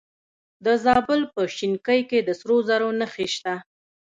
د زابل په شنکۍ کې د سرو زرو نښې شته.